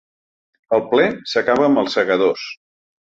El ple s’acaba amb ‘Els segadors’.